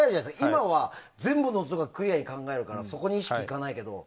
今は全部の音がクリアに聞こえるからそこに意識がいかないけど。